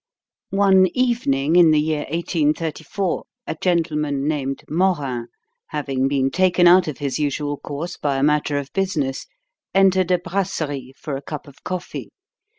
One evening in the year 1834 a gentleman named Morin, having been taken out of his usual course by a matter of business, entered a BRASSERIE for a cup of coffee.